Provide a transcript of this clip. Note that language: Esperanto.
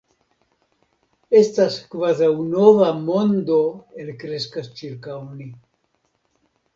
Estas kvazaŭ nova mondo elkreskas ĉirkaŭ ni.